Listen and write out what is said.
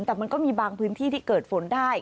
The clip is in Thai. แต่มันก็มีบางพื้นที่ที่เกิดฝนได้